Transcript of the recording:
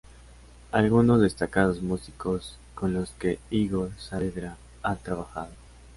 Algunos destacados músicos con los que Igor Saavedra ha trabajado.